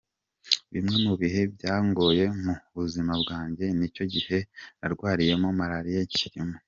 Bimwe mu bihe byangoye mu buzima bwanjye n’icyo gihe narwariyemo marariya kirimo.